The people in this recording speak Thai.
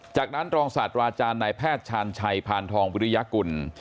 จากนั้นรองศาสตราจารย์นายแพทย์ชาญชัยพานทองวิริยกุล